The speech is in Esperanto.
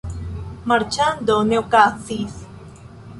Marĉando ne okazis.